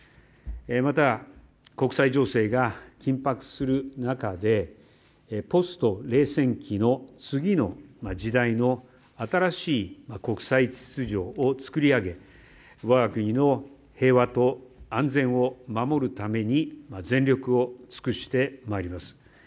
また、国際情勢が緊迫する中でポスト冷戦期の次の時代の新しい国際秩序を作り上げ我が国の平和と安全を守るために全力を尽くしてまいります。